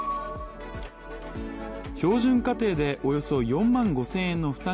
標準家庭でおよそ４万５０００円の負担